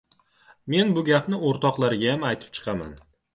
Men bu gapni o‘rtoqlargayam aytib chiqaman.